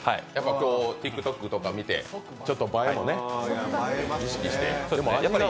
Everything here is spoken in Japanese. ＴｉｋＴｏｋとか見て映えも意識して。